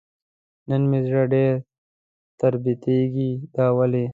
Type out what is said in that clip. نن مې زړه ډېر تربتېږي دا ولې ؟